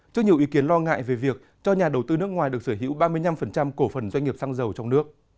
trước nhiều ý kiến lo ngại về việc cho nhà đầu tư nước ngoài được sở hữu ba mươi năm cổ phần doanh nghiệp xăng dầu trong nước